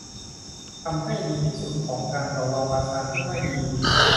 ทำให้ดีที่สุดของการต่อรองราคาที่ไม่ดี